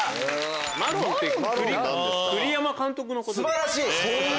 素晴らしい！